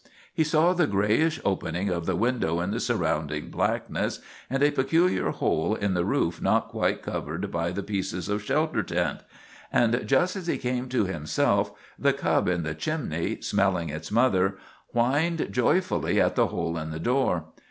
He saw the grayish opening of the window in the surrounding blackness, and a peculiar hole in the roof not quite covered by the pieces of shelter tent; and just as he came to himself the cub in the chimney, smelling its mother, whined joyfully at the hole in the door.